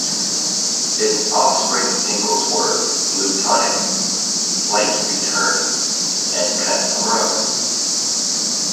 Its offspring singles were "Bluetonic", "Slight Return" and "Cut Some Rug".